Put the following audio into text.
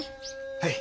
はい。